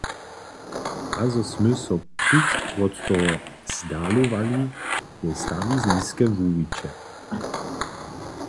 A zo smy so kusk wot toho zdalowali, je stawizniske wuwiće.